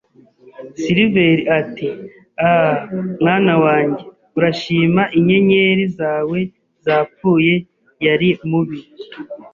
Silver ati: "Ah, mwana wanjye, urashima inyenyeri zawe yapfuye". “Yari mubi